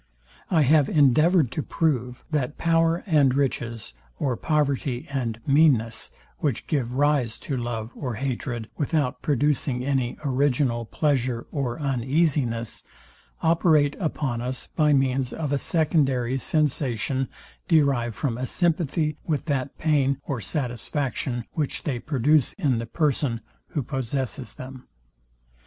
I have endeavoured to prove, that power and riches, or poverty and meanness; which give rise to love or hatred, without producing any original pleasure or uneasiness; operate upon us by means of a secondary sensation derived from a sympathy with that pain or satisfaction, which they produce in the person, who possesses them.